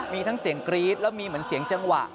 มีทั้งเสียงกรี๊ดแล้วมีเหมือนเสียงจังหวะ